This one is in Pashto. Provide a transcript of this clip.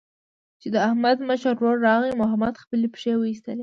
چې د احمد مشر ورور راغی، محمود خپلې پښې وایستلې.